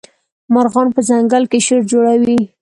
مارغان په ځنګل کي شور جوړوي.